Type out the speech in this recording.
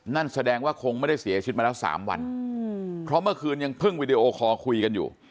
นั่นแสดงว่าคงไม่ได้เสียชีวิตมาแล้ว๓วันเพราะเมื่อคืนยังเพิ่งวีดีโอคอลคุยกันอยู่